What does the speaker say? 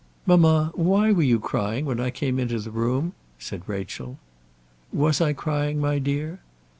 "Mamma, why were you crying when I came into the room?" said Rachel. "Was I crying, my dear?"